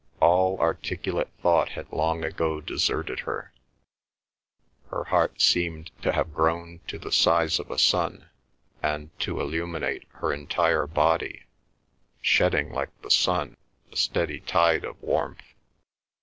All articulate thought had long ago deserted her; her heart seemed to have grown to the size of a sun, and to illuminate her entire body, shedding like the sun a steady tide of warmth.